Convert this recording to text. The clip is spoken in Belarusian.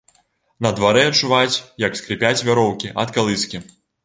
На дварэ чуваць, як скрыпяць вяроўкі ад калыскі.